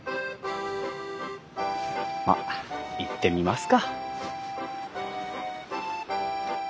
まあ行ってみますか。